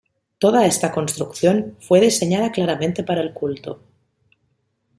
Toda esta construcción fue diseñada claramente para el culto.